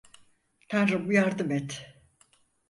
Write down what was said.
Tanrım yardım et!